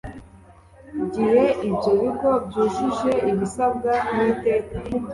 gihe ibyo bigo byujuje ibisabwa n iteka